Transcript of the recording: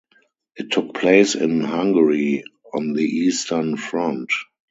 It took place in Hungary on the Eastern Front.